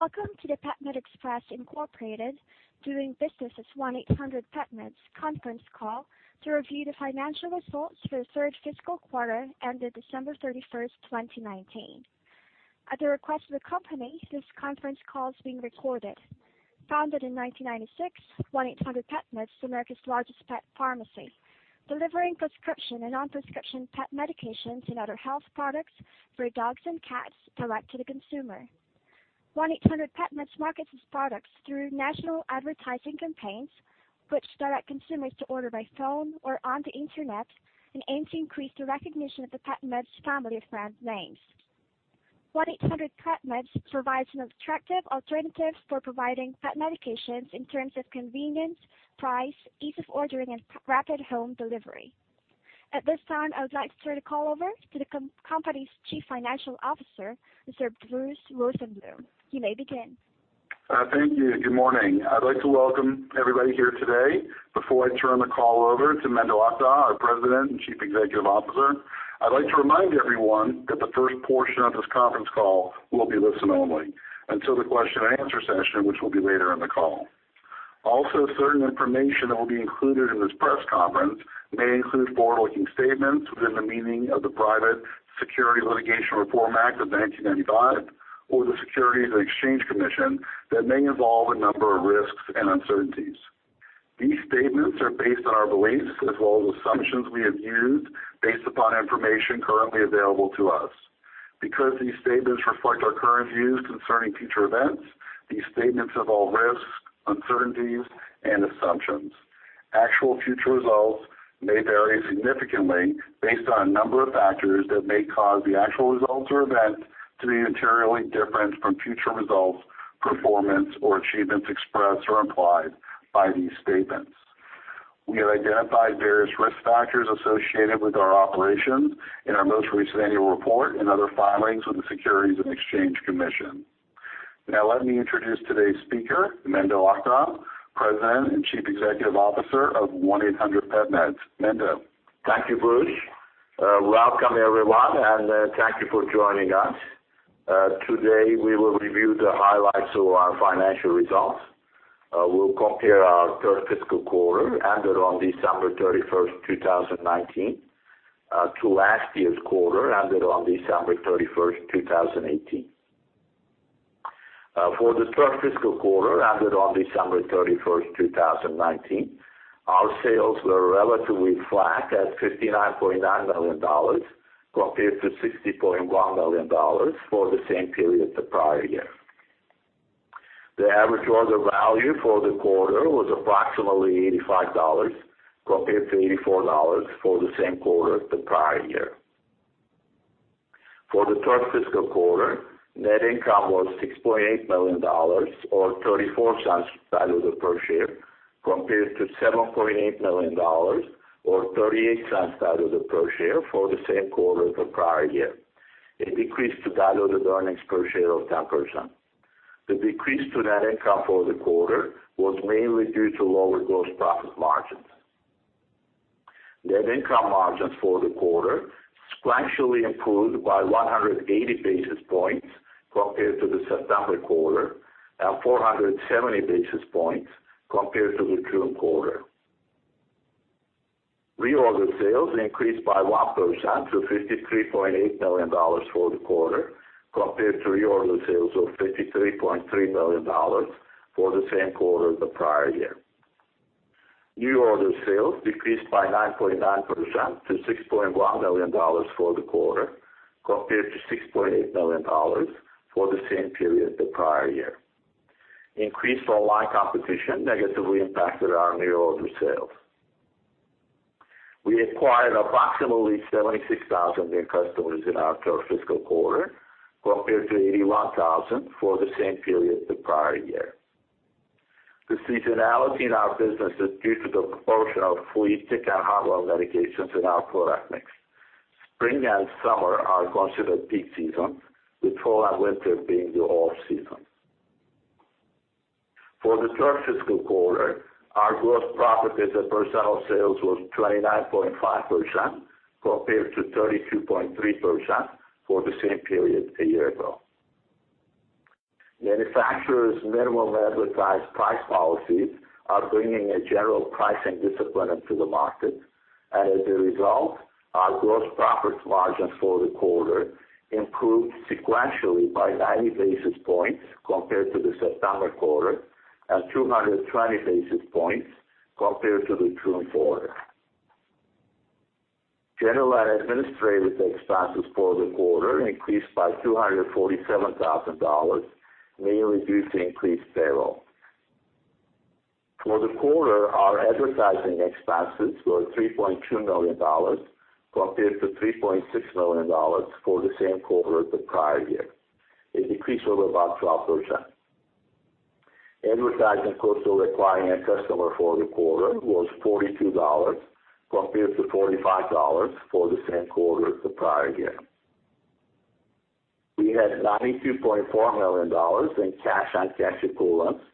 Welcome to the PetMed Express Incorporated, doing business as 1-800-PetMeds conference call to review the financial results for the third fiscal quarter ended December 31st, 2019. At the request of the company, this conference call is being recorded. Founded in 1996, 1-800-PetMeds is America's largest pet pharmacy, delivering prescription and non-prescription pet medications and other health products for dogs and cats direct to the consumer. 1-800-PetMeds markets its products through national advertising campaigns, which direct consumers to order by phone or on the internet, and aim to increase the recognition of the PetMeds family of brand names. 1-800-PetMeds provides an attractive alternative for providing pet medications in terms of convenience, price, ease of ordering, and rapid home delivery. At this time, I would like to turn the call over to the company's Chief Financial Officer, Mr. Bruce S. Rosenbloom. You may begin. Thank you. Good morning. I'd like to welcome everybody here today. Before I turn the call over to Menderes Akdag, our President and Chief Executive Officer, I'd like to remind everyone that the first portion of this conference call will be listen only until the question and answer session, which will be later in the call. Also, certain information that will be included in this press conference may include forward-looking statements within the meaning of the Private Securities Litigation Reform Act of 1995 or the Securities and Exchange Commission that may involve a number of risks and uncertainties. These statements are based on our beliefs as well as assumptions we have used based upon information currently available to us. Because these statements reflect our current views concerning future events, these statements involve risks, uncertainties, and assumptions. Actual future results may vary significantly based on a number of factors that may cause the actual results or events to be materially different from future results, performance, or achievements expressed or implied by these statements. We have identified various risk factors associated with our operations in our most recent annual report and other filings with the Securities and Exchange Commission. Now let me introduce today's speaker, Menderes Akdag, President and Chief Executive Officer of 1-800-PetMeds. Mendo. Thank you, Bruce. Welcome, everyone, and thank you for joining us. Today, we will review the highlights of our financial results. We'll compare our third fiscal quarter ended on December 31st, 2019, to last year's quarter ended on December 31st, 2018. For the third fiscal quarter ended on December 31st, 2019, our sales were relatively flat at $59.9 million compared to $60.1 million for the same period the prior year. The average order value for the quarter was approximately $85 compared to $84 for the same quarter the prior year. For the third fiscal quarter, net income was $6.8 million, or $0.34 diluted per share, compared to $7.8 million or $0.38 diluted per share for the same quarter the prior year, a decrease to diluted earnings per share of 10%. The decrease to net income for the quarter was mainly due to lower gross profit margins. Net income margins for the quarter sequentially improved by 180 basis points compared to the September quarter and 470 basis points compared to the June quarter. Reorder sales increased by 1% to $53.8 million for the quarter, compared to reorder sales of $53.3 million for the same quarter the prior year. New order sales decreased by 9.9% to $6.1 million for the quarter, compared to $6.8 million for the same period the prior year. Increased online competition negatively impacted our new order sales. We acquired approximately 76,000 new customers in our third fiscal quarter, compared to 81,000 for the same period the prior year. The seasonality in our business is due to the proportion of flea, tick, and heartworm medications in our product mix. Spring and summer are considered peak season, with fall and winter being the off-season. For the third fiscal quarter, our gross profit as a percent of sales was 29.5%, compared to 32.3% for the same period a year ago. Manufacturers' minimum advertised price policies are bringing a general pricing discipline into the market. As a result, our gross profit margins for the quarter improved sequentially by 90 basis points compared to the September quarter and 220 basis points compared to the June quarter. General and administrative expenses for the quarter increased by $247,000, mainly due to increased payroll. For the quarter, our advertising expenses were $3.2 million compared to $3.6 million for the same quarter the prior year, a decrease of about 12%. Advertising cost to acquire a customer for the quarter was $42 compared to $45 for the same quarter the prior year. We had $92.4 million in cash and cash equivalents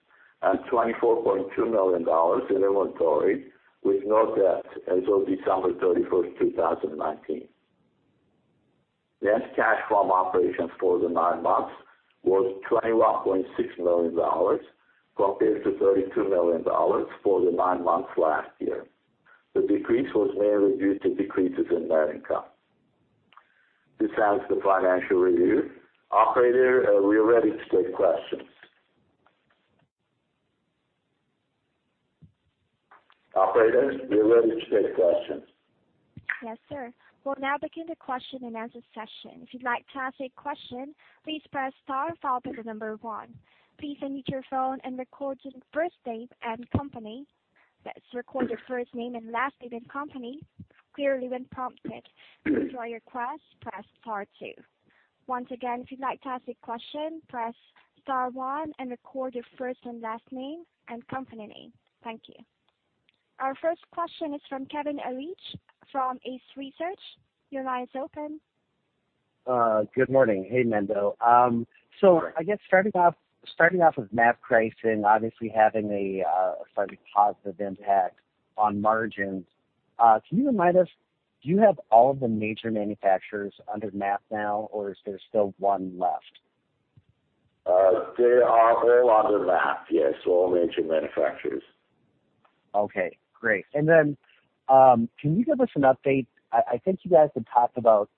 and $24.2 million in inventory, with no debt as of December 31st, 2019. Net cash from operations for the nine months was $21.6 million compared to $32 million for the nine months last year. The decrease was mainly due to decreases in net income. This ends the financial review. Operator, we are ready to take questions. Operator, we are ready to take questions. Yes, sir. We'll now begin the question-and-answer session. If you'd like to ask a question, please press star followed by the number one. Please unmute your phone and record your first name and company. That's record your first name and last name and company clearly when prompted. To withdraw your request, press star two. Once again, if you'd like to ask a question, press star one and record your first and last name and company name. Thank you. Our first question is from Kevin Hetchler from Ascendiant Capital. Your line is open. Good morning. Hey, Mendo. Good morning. I guess starting off with MAP pricing, obviously having a slightly positive impact on margins. Can you remind us, do you have all of the major manufacturers under MAP now, or is there still one left? They are all under MAP, yes, all major manufacturers. Okay, great. Can you give us an update? I think you guys had talked about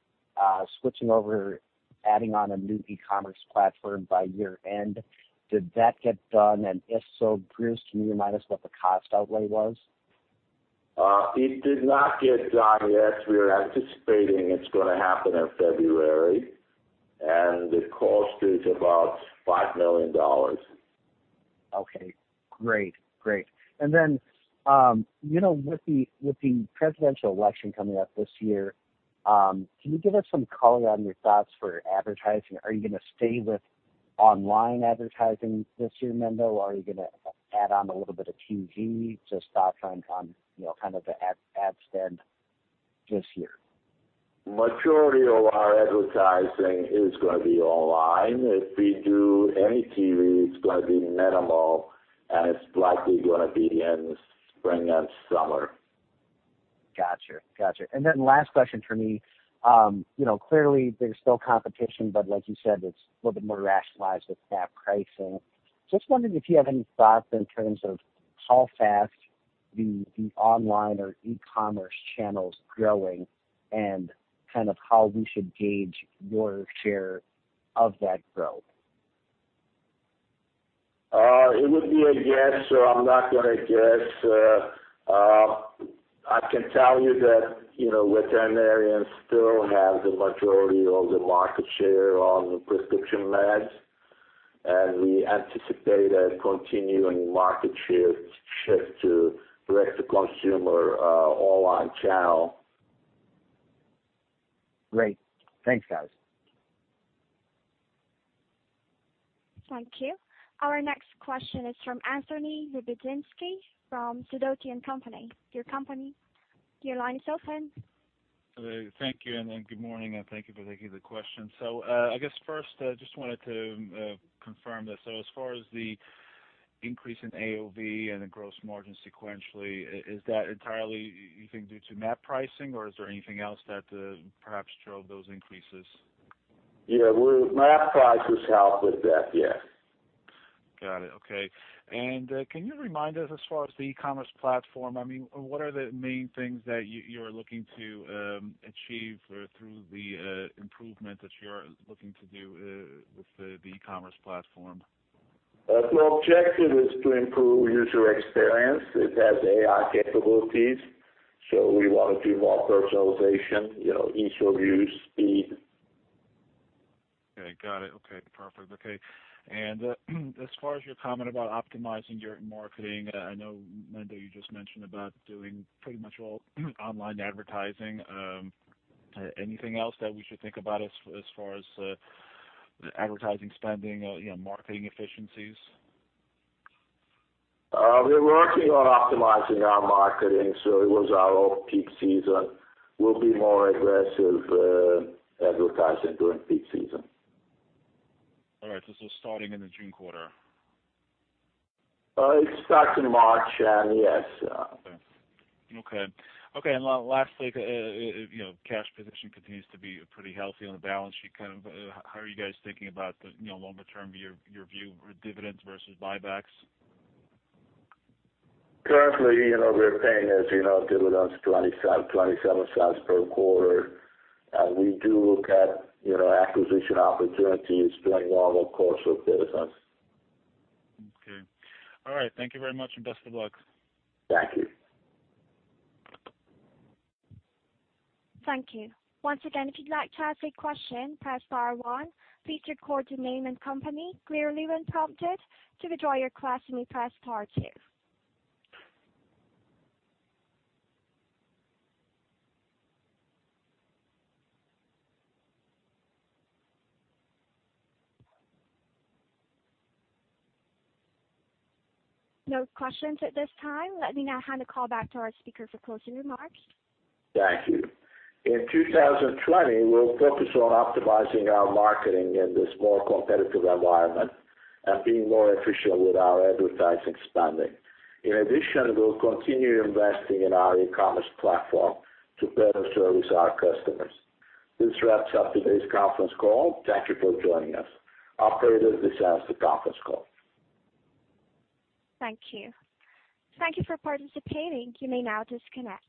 switching over, adding on a new e-commerce platform by year-end. Did that get done? If so, Bruce, can you remind us what the cost outlay was? It did not get done yet. We are anticipating it's going to happen in February, the cost is about $5 million. Okay, great. With the presidential election coming up this year, can you give us some color on your thoughts for advertising? Are you going to stay with online advertising this year, Mendo, or are you going to add on a little bit of TV to start trying on the ad spend this year? Majority of our advertising is going to be online. If we do any TV, it's going to be minimal, it's likely going to be in spring and summer. Got you. Last question for me. Clearly, there's still competition, but like you said, it's a little bit more rationalized with MAP pricing. Just wondering if you have any thoughts in terms of how fast the online or e-commerce channel's growing and how we should gauge your share of that growth. It would be a guess. I'm not going to guess. I can tell you that veterinarians still have the majority of the market share on prescription meds, and we anticipate a continuing market share shift to direct-to-consumer online channel. Great. Thanks, guys. Thank you. Our next question is from Anthony Lebiedzinski from Sidoti & Company. Your line is open. Thank you, and good morning, and thank you for taking the question. I guess first, I just wanted to confirm that so as far as the increase in AOV and the gross margin sequentially, is that entirely you think due to MAP pricing, or is there anything else that perhaps drove those increases? Yeah. MAP prices helped with that, yes. Got it. Okay. Can you remind us as far as the e-commerce platform, what are the main things that you are looking to achieve through the improvement that you're looking to do with the e-commerce platform? The objective is to improve user experience. It has AI capabilities, so we want to do more personalization, easier views, speed. Okay, got it. Okay, perfect. As far as your comment about optimizing your marketing, I know, Mendo, you just mentioned about doing pretty much all online advertising. Anything else that we should think about as far as advertising spending, marketing efficiencies? We're working on optimizing our marketing, so it was our off-peak season. We'll be more aggressive advertising during peak season. All right. This is starting in the June quarter. It starts in March. Yes. Okay. Lastly, cash position continues to be pretty healthy on the balance sheet. How are you guys thinking about the longer-term view, your view for dividends versus buybacks? Currently, we're paying as you know dividends, $0.27 per quarter. We do look at acquisition opportunities during our normal course of business. Okay. All right. Thank you very much. Best of luck. Thank you. Thank you. Once again, if you'd like to ask a question, press star one. Please record your name and company clearly when prompted. To withdraw your question, you press star two. No questions at this time. Let me now hand the call back to our speaker for closing remarks. Thank you. In 2020, we'll focus on optimizing our marketing in this more competitive environment and being more efficient with our advertising spending. In addition, we'll continue investing in our e-commerce platform to better service our customers. This wraps up today's conference call. Thank you for joining us. Operator, this ends the conference call. Thank you. Thank you for participating. You may now disconnect.